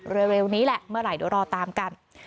เร็วนี้แหละเมื่อไหร่เดี๋ยวรอตามกัน